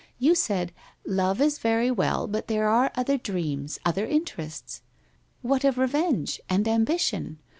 You said "Love is very well, but there are other dreams, other interests. What of re venge? And ambition?